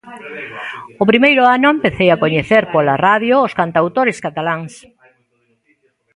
O primeiro ano empecei a coñecer pola radio os cantautores cataláns.